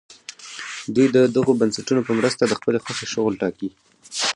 دوی د دغو بنسټونو په مرسته د خپلې خوښې شغل ټاکي.